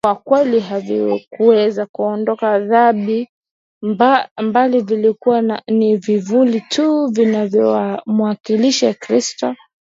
kwa kweli havikuweza kuondoa dhambi bali vilikuwa ni vivuli tu vinavyomwakilisha Kristo